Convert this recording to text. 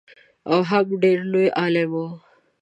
او هم ډېر لوی عالم و.